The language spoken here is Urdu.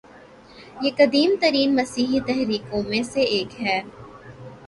یہ قدیم ترین مسیحی تحریکوں میں سے ایک ہے